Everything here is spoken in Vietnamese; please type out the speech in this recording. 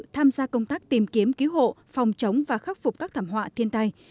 tham gia công tác tìm kiếm cứu hộ phòng chống và khắc phục các thảm họa thiên tai